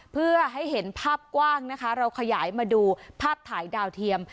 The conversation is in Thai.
เพื่อให้เห็นภาพกว้างนะคะเราขยายมาดูภาพถ่ายดาวเทียม